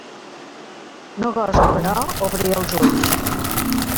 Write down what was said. No gosa, però, obrir els ulls.